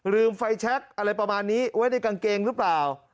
ไฟแชคอะไรประมาณนี้ไว้ในกางเกงหรือเปล่า